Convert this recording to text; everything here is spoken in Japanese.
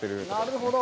なるほど。